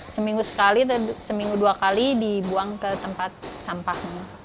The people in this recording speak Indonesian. seminggu sekali atau seminggu dua kali dibuang ke tempat sampah